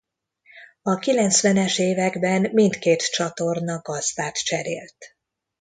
A kilencvenes években mindkét csatorna gazdát cserélt.